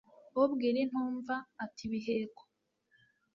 ubwira intumva ata ibiheko